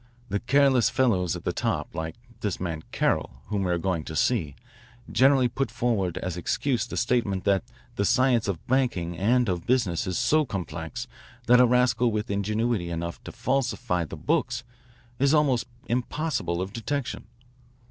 The careless fellows at the top, like this man Carroll whom we are going to see, generally put forward as excuse the statement that the science of banking and of business is so complex that a rascal with ingenuity enough to falsify the books is almost impossible of detection.